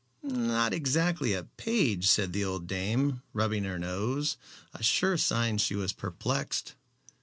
"Not exactly a page," said the old dame, rubbing her nose, a sure sign she was perplexed.